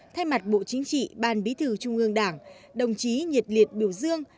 thay mặt bộ chính trị ban bí thư trung ương đảng đồng chí nhiệt liệt biểu dương